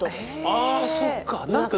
ああそうか。